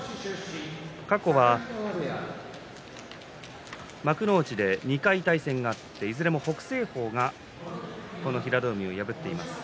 過去は幕内で２回対戦があっていずれも北青鵬が平戸海を破っています。